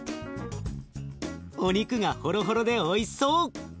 お肉がホロホロでおいしそう！